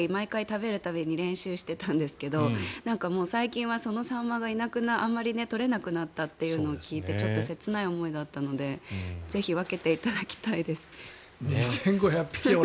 そうなりたくて毎回練習してたんですけど最近はそのサンマがあまり取れなくなったって聞いてちょっと切ない思いだったのでぜひ分けていただきたいです。